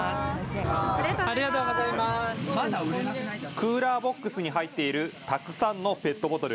クーラーボックスに入っているたくさんのペットボトル。